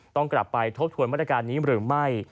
ต้องกลับไปทบทวนมาตรการนี้หรือไม่